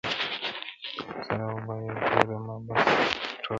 سر او بر یې ګوره مه بس ټولوه یې ,